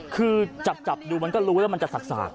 คือจับดูมันก็รู้แล้วมันจะสาก